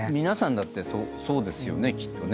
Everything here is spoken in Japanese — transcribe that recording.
皆さんだってそうですよね。